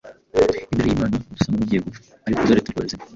imbere y’Imana, dusa n’abagiye gupfa, ariko dore turi bazima;